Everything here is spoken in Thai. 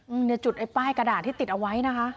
เนี่ยจุดไอ้ป้ายกระดาษที่ติดเอาไว้นะคะ